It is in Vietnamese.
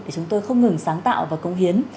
để chúng tôi không ngừng sáng tạo và công hiến